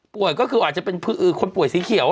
ก็คืออาจจะเป็นคนป่วยสีเขียว